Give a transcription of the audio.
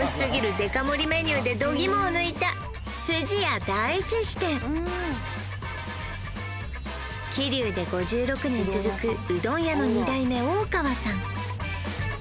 デカ盛りメニューで度肝を抜いた桐生で５６年続くうどん屋の２代目大川さん